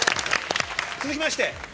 続きまして。